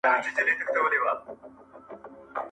چي دا پاته ولي داسي له اغیار یو؟-